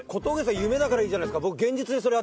夢だからいいじゃないですか。